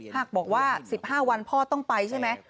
หากบอกว่า๑๕วันพ่อต้องไปใช่ไหม